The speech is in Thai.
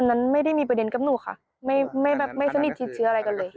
นั้นไม่ได้มีประเด็นกับหนูค่ะไม่แบบไม่สนิทชิดเชื้ออะไรกันเลย